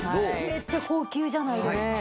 めっちゃ高級じゃないですか。